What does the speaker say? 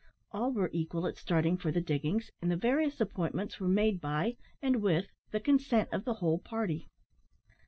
All were equal at starting for the diggings, and the various appointments were made by, and with the consent of the whole party.